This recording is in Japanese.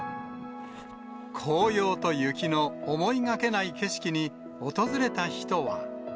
紅葉と雪の思いがけない景色に、訪れた人は。